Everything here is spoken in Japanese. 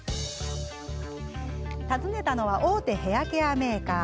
訪ねたのは大手ヘアケアメーカー。